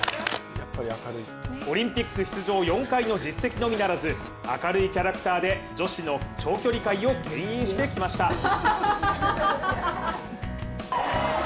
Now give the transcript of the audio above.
オリンピック出場４回の実績のみならず明るいキャラクターで女子の長距離界をけん引してきました。